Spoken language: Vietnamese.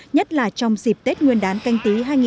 nhất là trong dịp tết nguyên đán canh tí hai nghìn hai mươi sắp tới